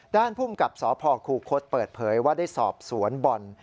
ด้านพุ่มกับสพครูโค้ดเปิดเผยว่าได้สอบสวนบ่อน